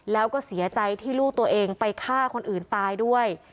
แล้วก็เสียใจที่ลูกตัวเองไปฆ่าคนอื่นตายด้วย